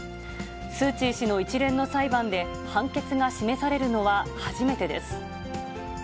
スーチー氏の一連の裁判で判決が示されるのは初めてです。